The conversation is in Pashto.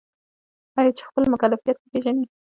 آیا چې خپل مکلفیت نه پیژني؟